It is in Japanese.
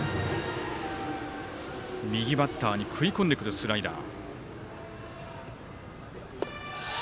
右バッターに食い込んでくるスライダー。